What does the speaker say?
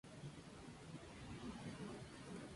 Tiene varias generaciones cada año.